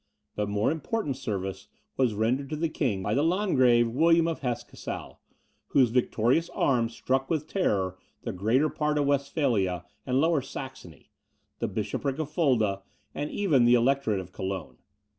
But more important service was rendered to the king by the Landgrave William of Hesse Cassel, whose victorious arms struck with terror the greater part of Westphalia and Lower Saxony, the bishopric of Fulda, and even the Electorate of Cologne.